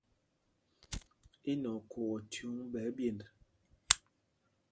Í nɛ okhǒ o chúŋ phūs ɓɛ̌ ɛ́ɓyend ?